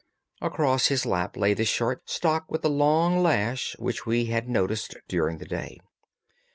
Across his lap lay the short stock with the long lash which we had noticed during the day.